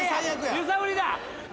揺さぶりだ。